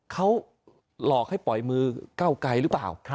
เขาหลอกให้ปล่อยมือเก้าไกลหรือเปล่า